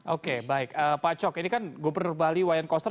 oke baik pak cok ini kan gubernur bali wayan koster